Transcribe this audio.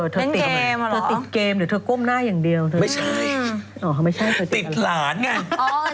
เธอติดเกมหรือเธอก้มหน้าอย่างเดียวไม่ใช่ติดหลานไง